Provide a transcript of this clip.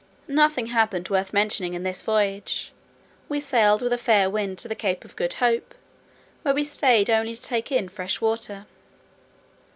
Nothing happened worth mentioning in this voyage. We sailed with a fair wind to the Cape of Good Hope, where we staid only to take in fresh water.